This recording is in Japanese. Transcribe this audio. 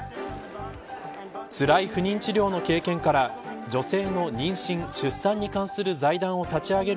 つらい不妊治療の経験から女性の妊娠、出産に関する財団を立ち上げ